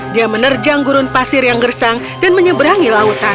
dia menerjang gurun pasir yang gersang dan menyeberangi lautan